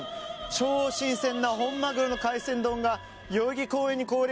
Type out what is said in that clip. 超新鮮なホンマグロの海鮮丼が代々木公園に降臨。